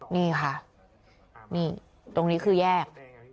นี่ค่ะนี่ตรงนี้คือแยก